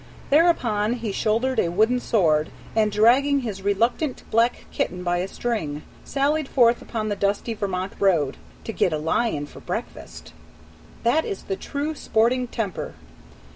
Thereupon he shouldered a wooden sword, and dragging his reluctant black kitten by a string, sallied forth upon the dusty Vermont road "to get a lion for breakfast." That is the true sporting temper!